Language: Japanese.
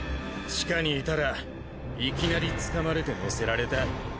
地下にいたらいきなり掴まれて乗せられた。